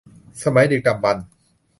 สมัยดึกดำบรรพ์